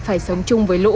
phải sống chung với lũ